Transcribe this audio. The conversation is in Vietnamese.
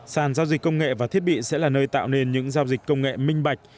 sàn giao dịch công nghệ và thiết bị sẽ là nơi tạo nên những giao dịch công nghệ minh bạch